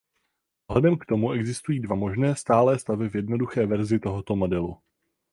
Vzhledem k tomu existují dva možné stálé stavy v jednoduché verzi tohoto modelu.